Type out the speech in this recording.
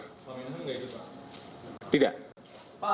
pak menurut anda tidak ada itu pak